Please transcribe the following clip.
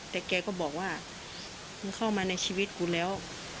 แต่แกก็บอกว่ามึงเข้ามาในชีวิตกูแล้ว